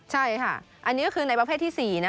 ใช่ค่ะอันนี้ก็คือในประเภทที่๔นะ